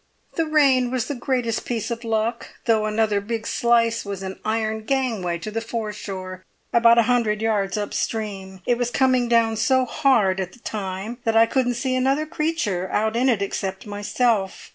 "The rain was the greatest piece of luck, though another big slice was an iron gangway to the foreshore about a hundred yards up stream. It was coming down so hard at the time that I couldn't see another creature out in it except myself.